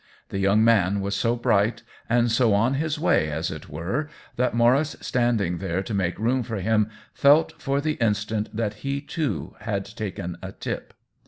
The young man was so bright and so on his way, as it were, that Maurice, standing ther^ to make room for him, felt for the instant that he, too, had taken a tip.